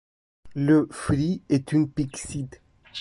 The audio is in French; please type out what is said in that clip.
Le fruit est une pyxide.